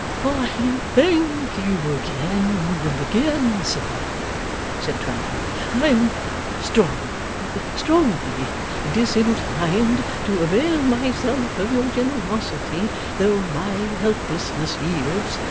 'I thank you again and again, sir,' said Twemlow. 'I am strong, strongly, disinclined to avail myself of your generosity, though my helplessness yields.